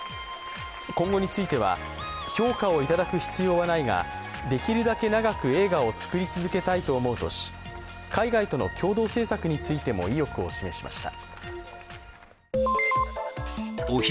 今後については、評価をいただく必要はないが、できるだけ長く映画を作り続けたいと思うとし海外との共同製作についても意欲を示しました。